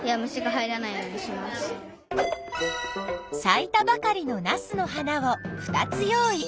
さいたばかりのナスの花を２つ用意。